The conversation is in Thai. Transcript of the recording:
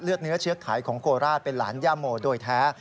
เนื้อเชื้อขายของโคราชเป็นหลานย่าโมโดยแท้